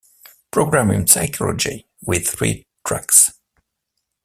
Program in Psychology with three tracks.